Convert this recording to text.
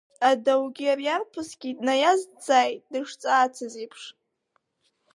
Адаугьы ари арԥысгьы днаиазҵааит дышҵаацыз еиԥш.